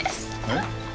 えっ？